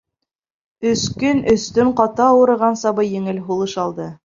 Өс көн, өс төн ҡаты ауырыған сабый еңел һулыш алды.